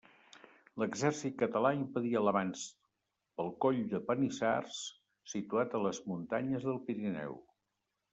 L'exèrcit català impedia l'avanç pel Coll de Panissars, situat a les muntanyes del Pirineu.